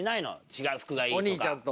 違う服がいいとか。